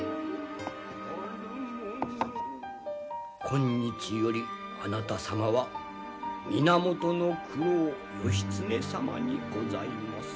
今日よりあなた様は源九郎義経様にございます。